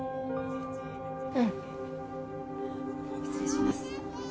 うん失礼します